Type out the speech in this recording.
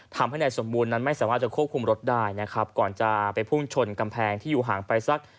ทำให้นายสมบูรณ์นั้นไม่สามารถจะควบคุมรถได้นะครับก่อนจะไปพุ่งชนกำแพงที่อยู่ห่างไปสัก